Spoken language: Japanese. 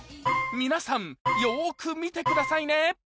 皆さんよく見てくださいね